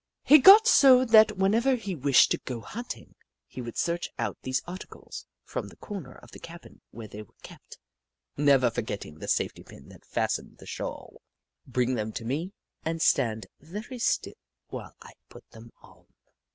He got so that whenever he wished to go hunting, he would search out these articles from the corner of the cabin where they were kept, — never forgetting the safety pin that fastened the shawl, — bring them to me, and stand very still while I put them on.